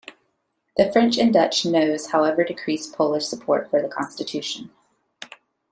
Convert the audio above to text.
The French and Dutch no's however decreased Polish support for the Constitution.